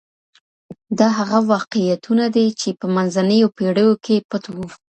دا هغه واقيعتونه دي چي په منځنيو پېړيو کي پټ وو.